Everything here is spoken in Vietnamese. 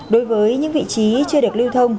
đối với những vị trí chưa được lưu thông